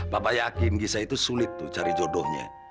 bapak yakin gisa itu sulit tuh cari jodohnya